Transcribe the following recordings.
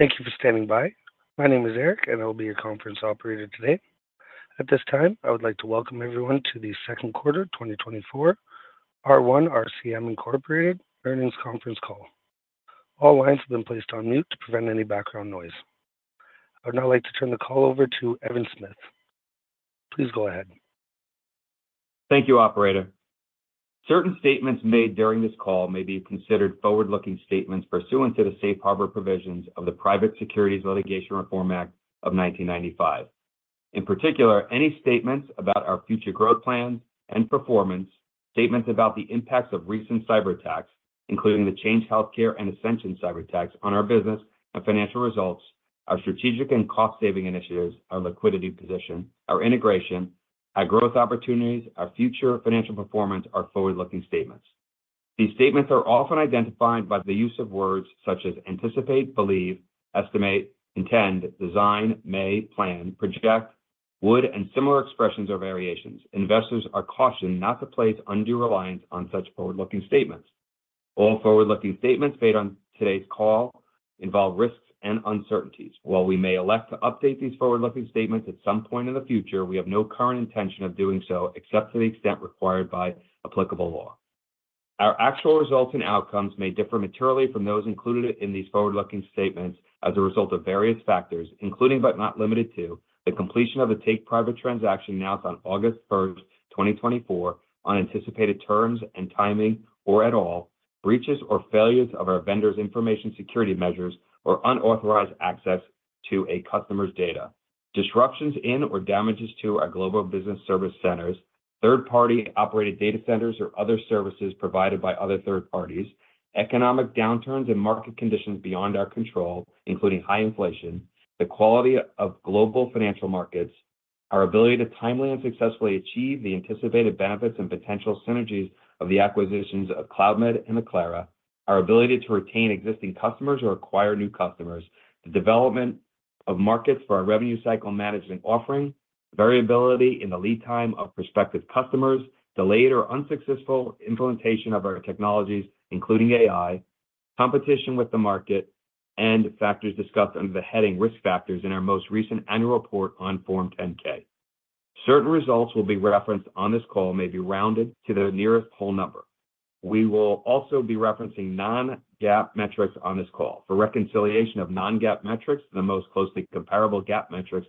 Thank you for standing by. My name is Eric, and I will be your conference Operator today. At this time, I would like to welcome everyone to the Second Quarter 2024 R1 RCM Incorporated Earnings Conference Call. All lines have been placed on mute to prevent any background noise. I would now like to turn the call over to Evan Smith. Please go ahead. Thank you, Operator. Certain statements made during this call may be considered forward-looking statements pursuant to the Safe Harbor provisions of the Private Securities Litigation Reform Act of 1995. In particular, any statements about our future growth plans and performance, statements about the impacts of recent cyberattacks, including the Change Healthcare and Ascension cyberattacks on our business and financial results, our strategic and cost-saving initiatives, our liquidity position, our integration, our growth opportunities, our future financial performance are forward-looking statements. These statements are often identified by the use of words such as anticipate, believe, estimate, intend, design, may, plan, project, would, and similar expressions or variations. Investors are cautioned not to place undue reliance on such forward-looking statements. All forward-looking statements made on today's call involve risks and uncertainties. While we may elect to update these forward-looking statements at some point in the future, we have no current intention of doing so, except to the extent required by applicable law. Our actual results and outcomes may differ materially from those included in these forward-looking statements as a result of various factors, including, but not limited to, the completion of the take-private transaction announced on August 1, 2024 on anticipated terms and timing, or at all, breaches or failures of our vendors' information security measures or unauthorized access to a customer's data. Disruptions in or damages to our global business service centers, third-party operated data centers, or other services provided by other third parties, economic downturns and market conditions beyond our control, including high inflation, the quality of global financial markets, our ability to timely and successfully achieve the anticipated benefits and potential synergies of the acquisitions of Cloudmed and Acclara, our ability to retain existing customers or acquire new customers, the development of markets for our revenue cycle management offering, variability in the lead time of prospective customers, delayed or unsuccessful implementation of our technologies, including AI, competition with the market, and factors discussed under the heading Risk Factors in our most recent annual report on Form 10-K. Certain results will be referenced on this call may be rounded to the nearest whole number. We will also be referencing Non-GAAP metrics on this call. For reconciliation of non-GAAP metrics, the most closely comparable GAAP metrics,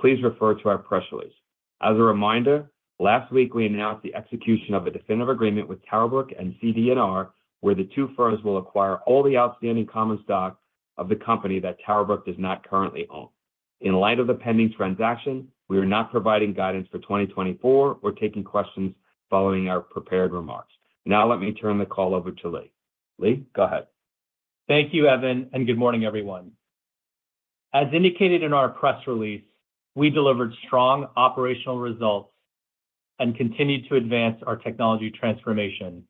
please refer to our press release. As a reminder, last week we announced the execution of a definitive agreement with TowerBrook and CD&R, where the two firms will acquire all the outstanding common stock of the company that TowerBrook does not currently own. In light of the pending transaction, we are not providing guidance for 2024 or taking questions following our prepared remarks. Now let me turn the call over to Lee. Lee, go ahead. Thank you, Evan, and good morning, everyone. As indicated in our press release, we delivered strong operational results and continued to advance our technology transformation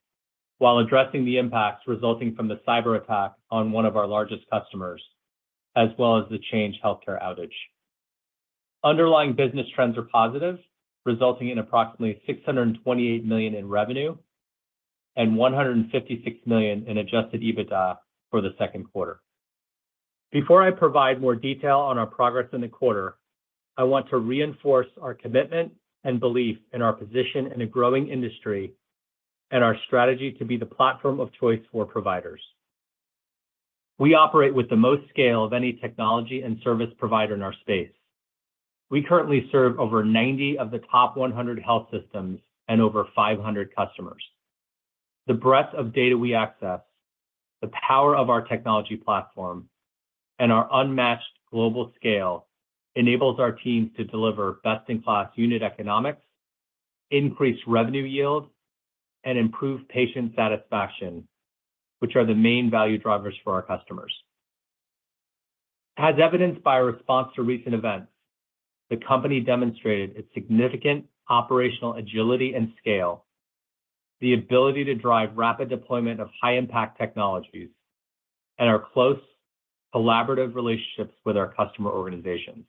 while addressing the impacts resulting from the cyberattack on one of our largest customers, as well as the Change Healthcare outage. Underlying business trends are positive, resulting in approximately $628 million in revenue and $156 million in Adjusted EBITDA for the second quarter. Before I provide more detail on our progress in the quarter, I want to reinforce our commitment and belief in our position in a growing industry and our strategy to be the platform of choice for providers. We operate with the most scale of any technology and service provider in our space. We currently serve over 90 of the top 100 health systems and over 500 customers. The breadth of data we access, the power of our technology platform, and our unmatched global scale enables our teams to deliver best-in-class unit economics, increase revenue yield, and improve patient satisfaction, which are the main value drivers for our customers. As evidenced by our response to recent events, the company demonstrated its significant operational agility and scale, the ability to drive rapid deployment of high-impact technologies, and our close collaborative relationships with our customer organizations.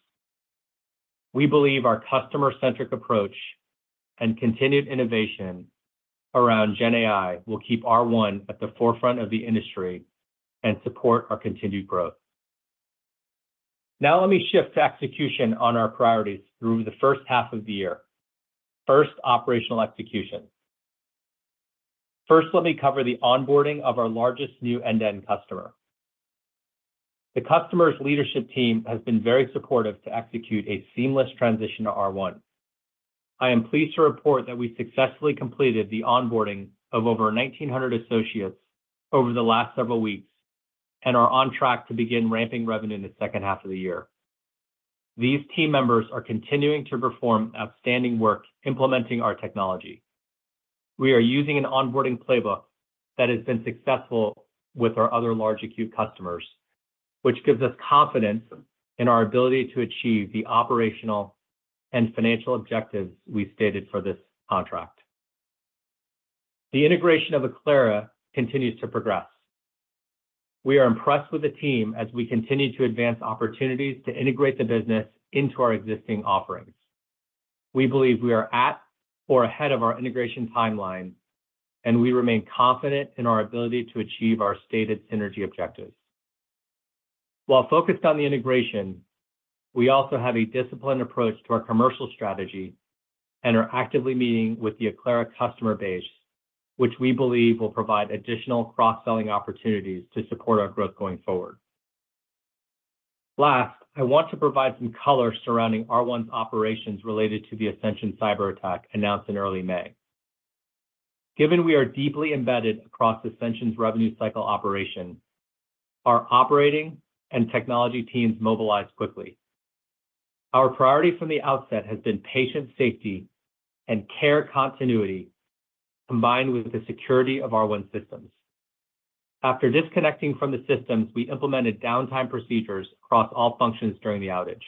We believe our customer-centric approach and continued innovation around Gen AI will keep R1 at the forefront of the industry and support our continued growth. Now let me shift to execution on our priorities through the first half of the year. First, operational execution. First, let me cover the onboarding of our largest new end-to-end customer. The customer's leadership team has been very supportive to execute a seamless transition to R1. I am pleased to report that we successfully completed the onboarding of over 1,900 associates over the last several weeks and are on track to begin ramping revenue in the second half of the year. These team members are continuing to perform outstanding work implementing our technology. We are using an onboarding playbook that has been successful with our other large acute customers, which gives us confidence in our ability to achieve the operational and financial objectives we stated for this contract. The integration of Acclara continues to progress. We are impressed with the team as we continue to advance opportunities to integrate the business into our existing offerings.... We believe we are at or ahead of our integration timeline, and we remain confident in our ability to achieve our stated synergy objectives. While focused on the integration, we also have a disciplined approach to our commercial strategy and are actively meeting with the Acclara customer base, which we believe will provide additional cross-selling opportunities to support our growth going forward. Last, I want to provide some color surrounding R1's operations related to the Ascension cyberattack announced in early May. Given we are deeply embedded across Ascension's revenue cycle operation, our operating and technology teams mobilized quickly. Our priority from the outset has been patient safety and care continuity, combined with the security of R1 systems. After disconnecting from the systems, we implemented downtime procedures across all functions during the outage.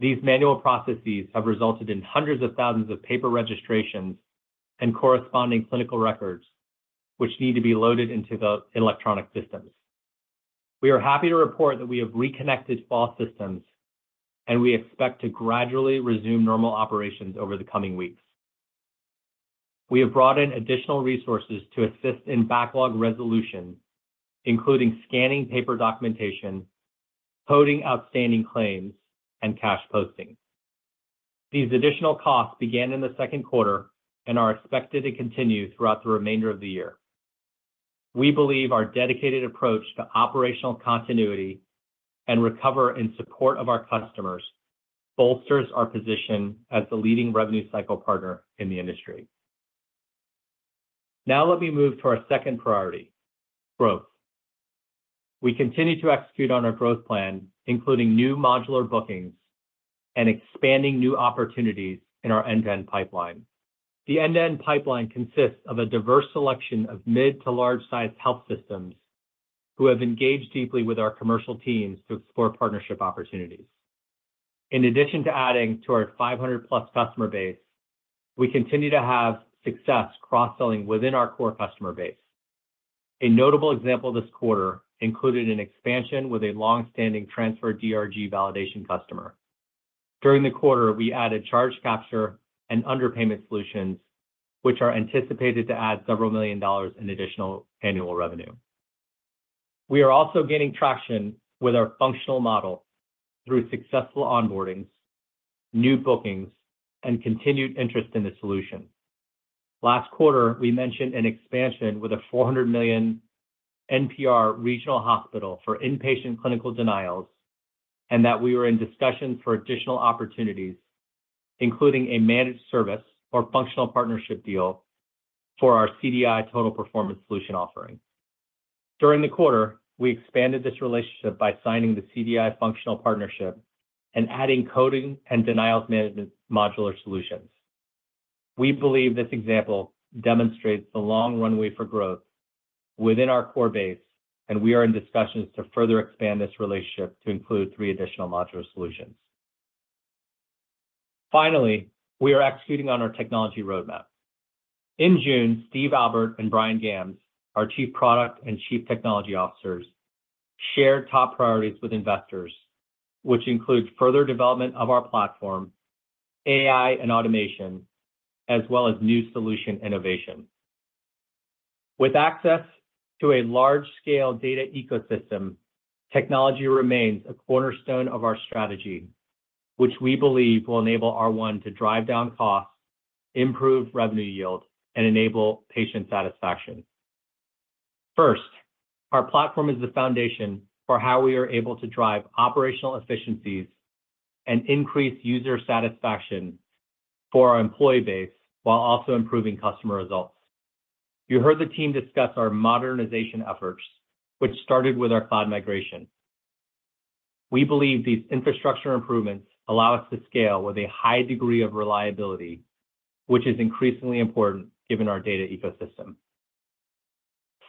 These manual processes have resulted in hundreds of thousands of paper registrations and corresponding clinical records, which need to be loaded into the electronic systems. We are happy to report that we have reconnected all systems, and we expect to gradually resume normal operations over the coming weeks. We have brought in additional resources to assist in backlog resolution, including scanning paper documentation, coding outstanding claims, and cash posting. These additional costs began in the second quarter and are expected to continue throughout the remainder of the year. We believe our dedicated approach to operational continuity and recovery in support of our customers bolsters our position as the leading revenue cycle partner in the industry. Now let me move to our second priority: growth. We continue to execute on our growth plan, including new modular bookings and expanding new opportunities in our end-to-end pipeline. The end-to-end pipeline consists of a diverse selection of mid- to large-sized health systems who have engaged deeply with our commercial teams to explore partnership opportunities. In addition to adding to our 500+ customer base, we continue to have success cross-selling within our core customer base. A notable example this quarter included an expansion with a long-standing Transfer DRG Validation customer. During the quarter, we added Charge Capture and Underpayment Solutions, which are anticipated to add $several million in additional annual revenue. We are also gaining traction with our functional model through successful onboardings, new bookings, and continued interest in the solution. Last quarter, we mentioned an expansion with a 400 million NPR regional hospital for Inpatient Clinical Denials, and that we were in discussions for additional opportunities, including a managed service or functional partnership deal for our CDI Total Performance solution offering. During the quarter, we expanded this relationship by signing the CDI functional partnership and adding Coding and Denials Management modular solutions. We believe this example demonstrates the long runway for growth within our core base, and we are in discussions to further expand this relationship to include three additional modular solutions. Finally, we are executing on our technology roadmap. In June, Steve Albert and Brian Gambs, our Chief Product and Chief Technology Officers, shared top priorities with investors, which includes further development of our platform, AI and automation, as well as new solution innovation. With access to a large-scale data ecosystem, technology remains a cornerstone of our strategy, which we believe will enable R1 to drive down costs, improve revenue yield, and enable patient satisfaction. First, our platform is the foundation for how we are able to drive operational efficiencies and increase user satisfaction for our employee base while also improving customer results. You heard the team discuss our modernization efforts, which started with our cloud migration. We believe these infrastructure improvements allow us to scale with a high degree of reliability, which is increasingly important given our data ecosystem.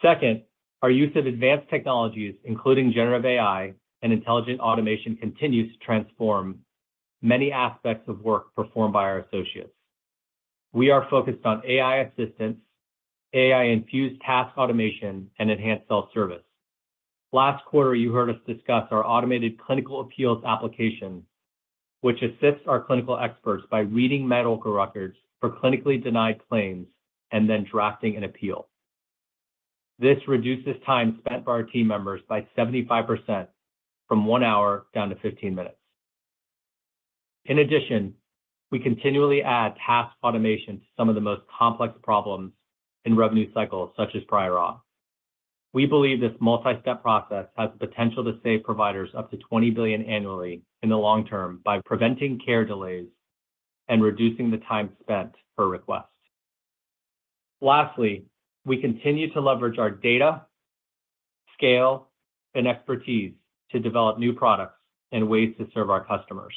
Second, our use of advanced technologies, including generative AI and intelligent automation, continues to transform many aspects of work performed by our associates. We are focused on AI assistance, AI-infused task automation, and enhanced self-service. Last quarter, you heard us discuss our automated clinical appeals application, which assists our clinical experts by reading medical records for clinically denied claims and then drafting an appeal. This reduces time spent by our team members by 75% from 1 hour down to 15 minutes. In addition, we continually add task automation to some of the most complex problems in revenue cycles, such as prior auth. We believe this multi-step process has the potential to save providers up to $20 billion annually in the long term by preventing care delays and reducing the time spent per request. Lastly, we continue to leverage our data, scale, and expertise to develop new products and ways to serve our customers.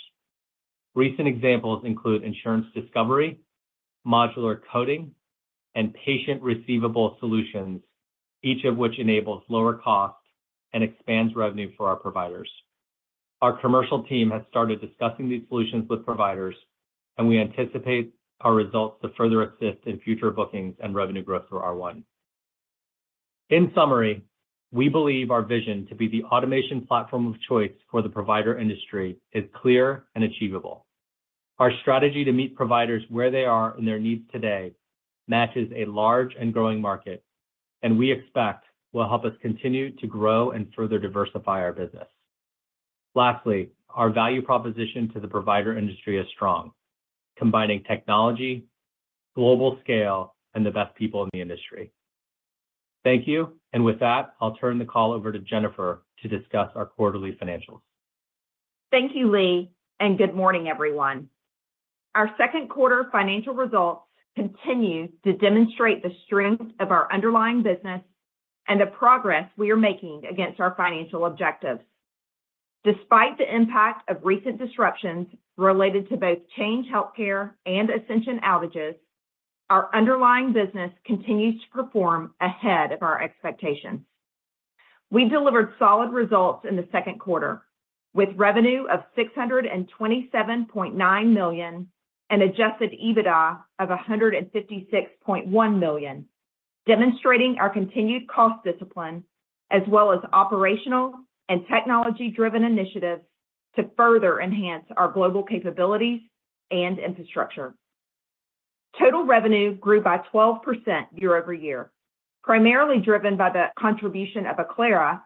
Recent examples include insurance discovery, modular coding, and patient receivable solutions, each of which enables lower cost and expands revenue for our providers. Our commercial team has started discussing these solutions with providers, and we anticipate our results to further assist in future bookings and revenue growth for R1.... In summary, we believe our vision to be the automation platform of choice for the provider industry is clear and achievable. Our strategy to meet providers where they are and their needs today matches a large and growing market, and we expect will help us continue to grow and further diversify our business. Lastly, our value proposition to the provider industry is strong, combining technology, global scale, and the best people in the industry. Thank you, and with that, I'll turn the call over to Jennifer to discuss our quarterly financials. Thank you, Lee, and good morning, everyone. Our second quarter financial results continue to demonstrate the strength of our underlying business and the progress we are making against our financial objectives. Despite the impact of recent disruptions related to both Change Healthcare and Ascension outages, our underlying business continues to perform ahead of our expectations. We delivered solid results in the second quarter, with revenue of $627.9 million and Adjusted EBITDA of $156.1 million, demonstrating our continued cost discipline, as well as operational and technology-driven initiatives to further enhance our global capabilities and infrastructure. Total revenue grew by 12% year-over-year, primarily driven by the contribution of Acclara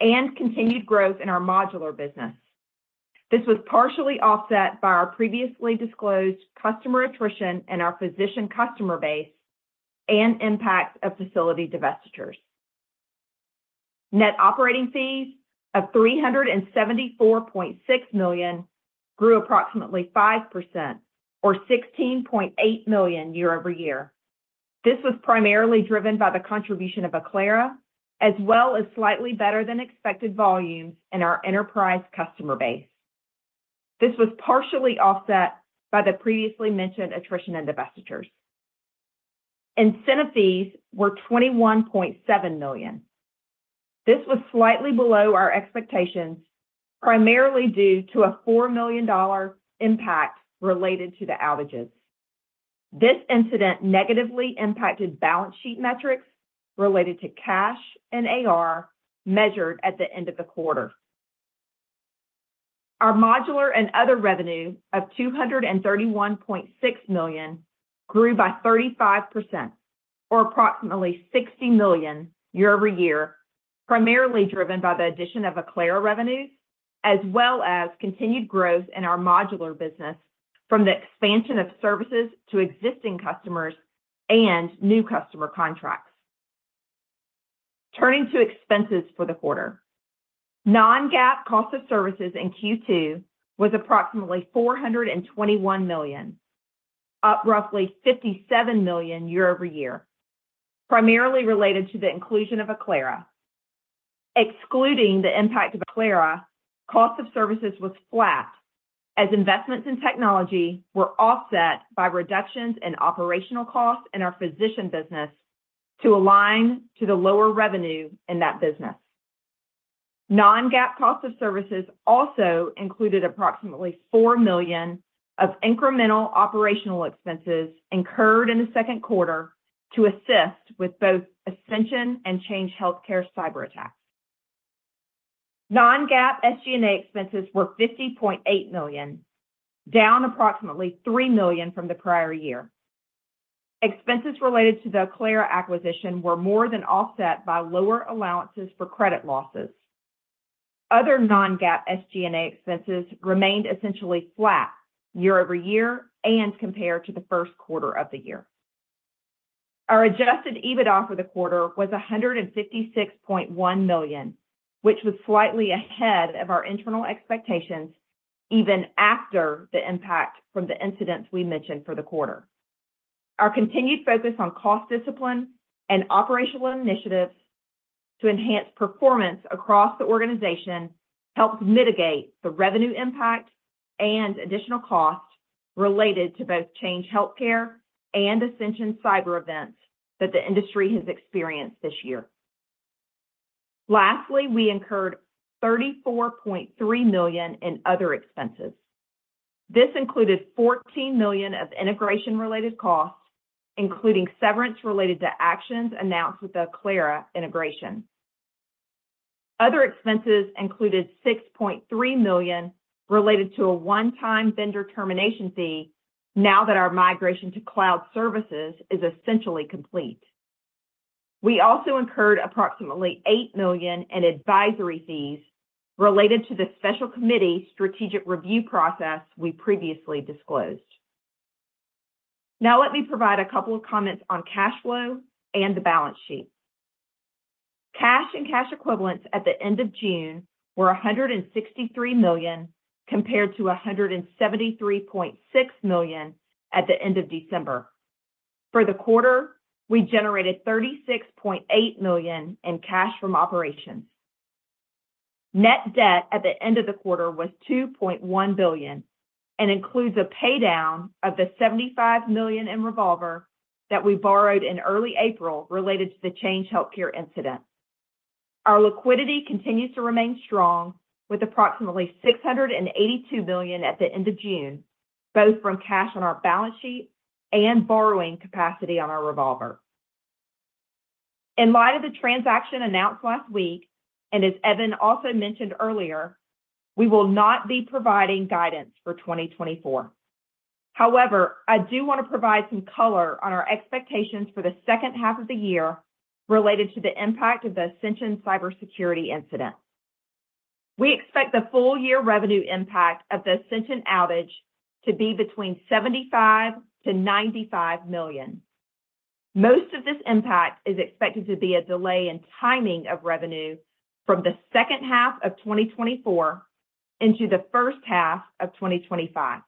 and continued growth in our modular business. This was partially offset by our previously disclosed customer attrition in our physician customer base and impact of facility divestitures. Net operating fees of $374.6 million grew approximately 5% or $16.8 million year-over-year. This was primarily driven by the contribution of Acclara, as well as slightly better than expected volumes in our enterprise customer base. This was partially offset by the previously mentioned attrition and divestitures. Incentive fees were $21.7 million. This was slightly below our expectations, primarily due to a $4 million impact related to the outages. This incident negatively impacted balance sheet metrics related to cash and AR, measured at the end of the quarter. Our modular and other revenue of $231.6 million grew by 35% or approximately $60 million year-over-year, primarily driven by the addition of Acclara revenues, as well as continued growth in our modular business from the expansion of services to existing customers and new customer contracts. Turning to expenses for the quarter. Non-GAAP cost of services in Q2 was approximately $421 million, up roughly $57 million year-over-year, primarily related to the inclusion of Acclara. Excluding the impact of Acclara, cost of services was flat, as investments in technology were offset by reductions in operational costs in our physician business to align to the lower revenue in that business. Non-GAAP cost of services also included approximately $4 million of incremental operational expenses incurred in the second quarter to assist with both Ascension and Change Healthcare cyberattacks. Non-GAAP SG&A expenses were $50.8 million, down approximately $3 million from the prior year. Expenses related to the Acclara acquisition were more than offset by lower allowances for credit losses. Other non-GAAP SG&A expenses remained essentially flat year-over-year and compared to the first quarter of the year. Our Adjusted EBITDA for the quarter was $156.1 million, which was slightly ahead of our internal expectations, even after the impact from the incidents we mentioned for the quarter. Our continued focus on cost discipline and operational initiatives to enhance performance across the organization helped mitigate the revenue impact and additional costs related to both Change Healthcare and Ascension cyber events that the industry has experienced this year. Lastly, we incurred $34.3 million in other expenses. This included $14 million of integration-related costs, including severance related to actions announced with the Acclara integration. Other expenses included $6.3 million related to a one-time vendor termination fee now that our migration to cloud services is essentially complete. We also incurred approximately $8 million in advisory fees related to the special committee strategic review process we previously disclosed. Now, let me provide a couple of comments on cash flow and the balance sheet. Cash and cash equivalents at the end of June were $163 million, compared to $173.6 million at the end of December. For the quarter, we generated $36.8 million in cash from operations. Net debt at the end of the quarter was $2.1 billion and includes a paydown of the $75 million in revolver that we borrowed in early April related to the Change Healthcare incident. Our liquidity continues to remain strong, with approximately $682 million at the end of June, both from cash on our balance sheet and borrowing capacity on our revolver. In light of the transaction announced last week, and as Evan also mentioned earlier, we will not be providing guidance for 2024. However, I do want to provide some color on our expectations for the second half of the year related to the impact of the Ascension cybersecurity incident. We expect the full year revenue impact of the Ascension outage to be between $75 million-$95 million. Most of this impact is expected to be a delay in timing of revenue from the second half of 2024 into the first half of 2025.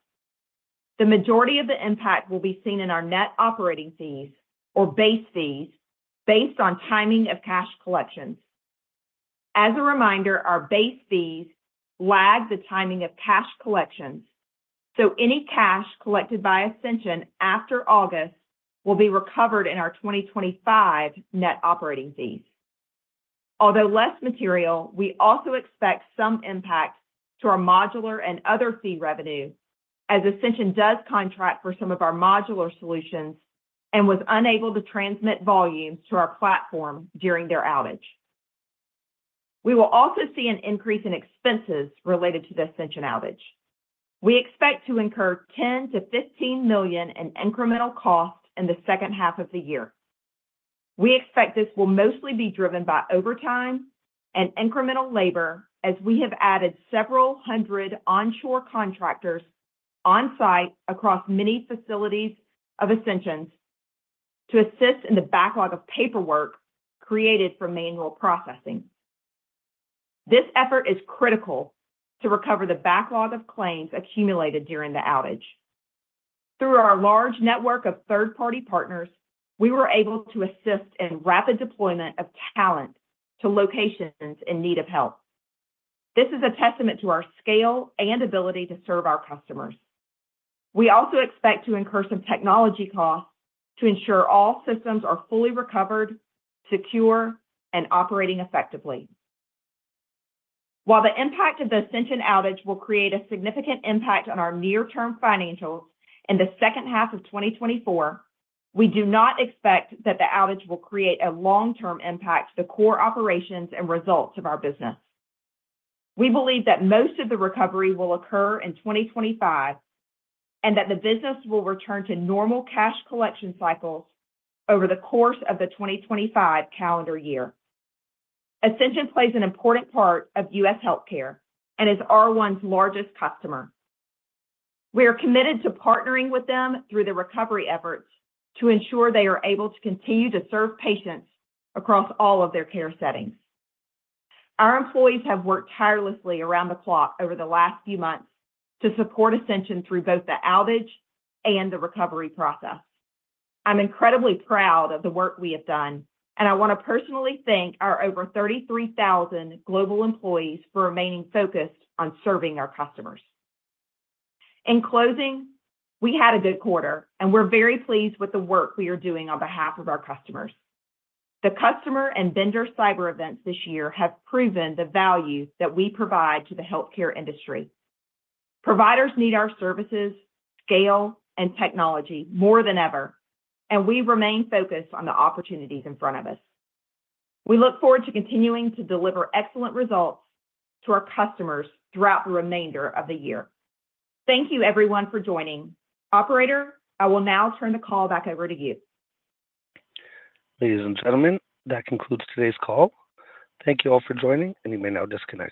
The majority of the impact will be seen in our net operating fees or base fees based on timing of cash collections. As a reminder, our base fees lag the timing of cash collections, so any cash collected by Ascension after August will be recovered in our 2025 net operating fees. Although less material, we also expect some impact to our modular and other fee revenue, as Ascension does contract for some of our modular solutions and was unable to transmit volumes to our platform during their outage. We will also see an increase in expenses related to the Ascension outage. We expect to incur $10 million-$15 million in incremental costs in the second half of the year. We expect this will mostly be driven by overtime and incremental labor, as we have added several hundred onshore contractors on site across many facilities of Ascension's to assist in the backlog of paperwork created from manual processing. This effort is critical to recover the backlog of claims accumulated during the outage. Through our large network of third-party partners, we were able to assist in rapid deployment of talent to locations in need of help. This is a testament to our scale and ability to serve our customers. We also expect to incur some technology costs to ensure all systems are fully recovered, secure, and operating effectively. While the impact of the Ascension outage will create a significant impact on our near-term financials in the second half of 2024, we do not expect that the outage will create a long-term impact to the core operations and results of our business. We believe that most of the recovery will occur in 2025, and that the business will return to normal cash collection cycles over the course of the 2025 calendar year. Ascension plays an important part of U.S. healthcare and is our largest customer. We are committed to partnering with them through the recovery efforts to ensure they are able to continue to serve patients across all of their care settings. Our employees have worked tirelessly around the clock over the last few months to support Ascension through both the outage and the recovery process. I'm incredibly proud of the work we have done, and I want to personally thank our over 33,000 global employees for remaining focused on serving our customers. In closing, we had a good quarter, and we're very pleased with the work we are doing on behalf of our customers. The customer and vendor cyber events this year have proven the value that we provide to the healthcare industry. Providers need our services, scale, and technology more than ever, and we remain focused on the opportunities in front of us. We look forward to continuing to deliver excellent results to our customers throughout the remainder of the year. Thank you, everyone, for joining. Operator, I will now turn the call back over to you. Ladies, and gentlemen, that concludes today's call. Thank you all for joining, and you may now disconnect.